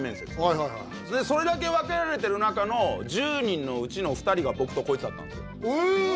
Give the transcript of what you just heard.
はいはいはいはいそれだけ分けられてる中の１０人のうちの２人が僕とこいつだったんですよえ！